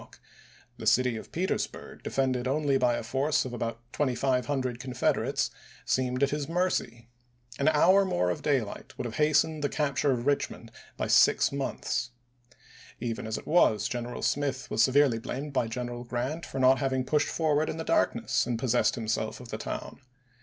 o'clock ; the city of Petersburg, defended only by a force of about 2500 Confederates, seemed at his mercy. An hour more of daylight might have hastened the capture of Eichmond by six months. Even as it was, General Smith was severely blamed by General Grant for not having pushed forward in the dark ness and possessed himself of the town.